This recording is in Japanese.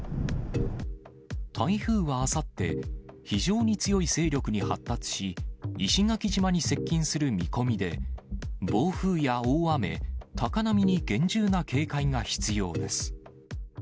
台風はあさって、非常に強い勢力に発達し、石垣島に接近する見込みで、暴風や大雨、高波に厳重な警戒が必要です。